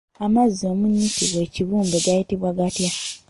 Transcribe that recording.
Amazzi omunnyikibwa ekibumbe gayitibwa gatya?